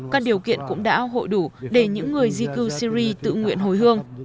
các điều kiện cũng đã hội đủ để những người di cư syri tự nguyện hồi hương